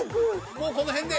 もうこの辺で。